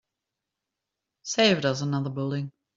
Saved us another building.